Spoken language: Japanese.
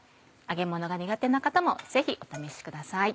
揚げものが苦手な方もぜひお試しください。